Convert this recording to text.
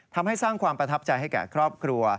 ทำให้สร้างความประทับใจให้แก่ครอบครัว